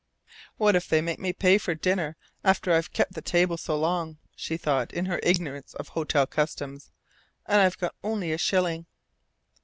"What if they make me pay for dinner after I've kept the table so long?" she thought in her ignorance of hotel customs. "And I've got only a shilling!"